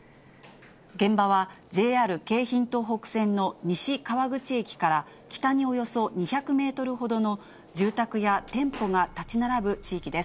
現場はＪＲ京浜東北線の西川口駅から、北におよそ２００メートルほどの住宅や店舗が建ち並ぶ地域です。